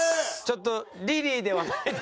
ちょっとリリーではない。